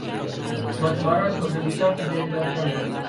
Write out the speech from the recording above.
Batu bara sebagian besar terdiri dari karbon.